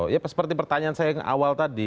ya seperti pertanyaan saya yang awal tadi